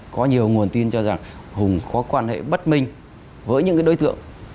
có nhiều nguồn tin cho rằng hùng có quan hệ bất minh với những đối tượng